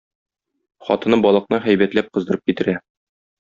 Хатыны балыкны һәйбәтләп кыздырып китерә.